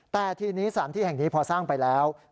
แต่ทีนี้สถานที่แห่งนี้พอสร้างไปแล้ว